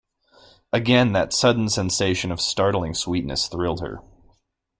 Again that sudden sensation of startling sweetness thrilled her.